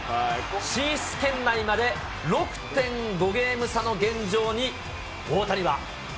進出圏内まで６．５ゲーム差の現状に大谷は。